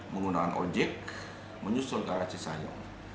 menggunakan ojek menyusun ke arah cisayong